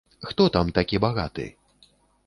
Хто там такі багаты?